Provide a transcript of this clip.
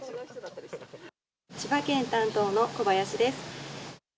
千葉県担当の小林です。